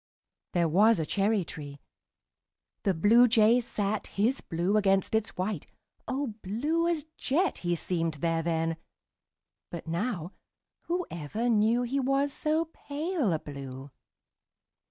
There was a cherry tree. The Bluejay sat His blue against its white O blue as jet He seemed there then! But now Whoever knew He was so pale a blue!